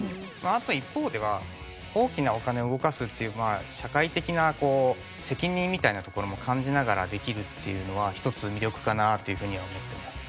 あと一方では大きなお金を動かすっていう社会的な責任みたいなところも感じながらできるっていうのは一つ魅力かなっていうふうには思ってます。